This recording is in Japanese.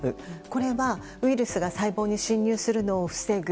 これはウイルスが細胞に侵入するのを防ぐ